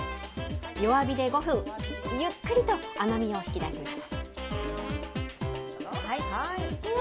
弱火で５分、ゆっくりと甘みを引き出します。